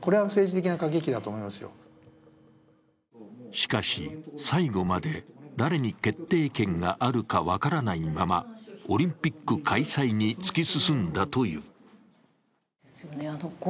しかし、最後まで誰に決定権があるか分からないままオリンピック開催に突き進んだという。